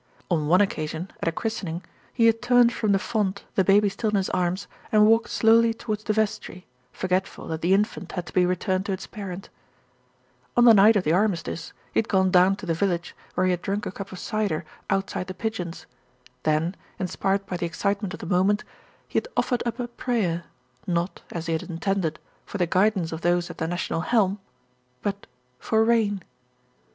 On one occasion at a christening, he had turned from the font, the baby still in his arms, and walked slowly towards the vestry, forgetful that the infant had to be returned to its parent. On the night of the Armistice, he had gone down to the village, where he had drunk a cup of cider out MISS LIPSCOMBE DECIDES ON NEUTRALITY 135 side The Pigeons. Then, inspired by the excitement of the moment, he had offered up a prayer, not, as he had intended, for the guidance of those at the national helm; but for rain!